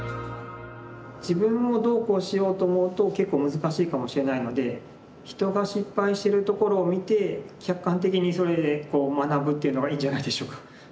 自分をどうこうしようと思うと結構難しいかもしれないので人が失敗してるところを見て客観的にそれで学ぶっていうのがいいんじゃないでしょうか。